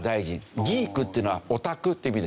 「ギーク」っていうのはオタクっていう意味ですよね。